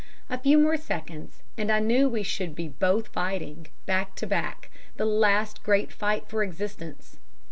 A few more seconds, and I knew we should be both fighting, back to back, the last great fight for existence.